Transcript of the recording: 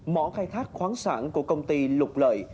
mỏ khai thác khoáng sản của công ty lục lợi